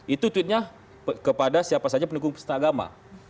itu tweetnya kepada siapa saja pendukung penista agama